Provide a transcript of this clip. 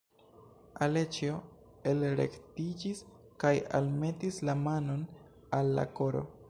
Aleĉjo elrektiĝis kaj almetis la manon al la koro.